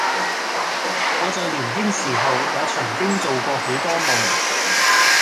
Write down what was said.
我在年青時候也曾經做過許多夢，